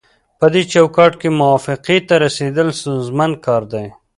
پدې چوکاټ کې موافقې ته رسیدل ستونزمن کار دی